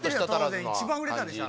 当然一番売れたでしょ